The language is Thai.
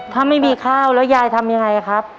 ถ้าไม่มีข้าวแล้วยายทำยังไงครับ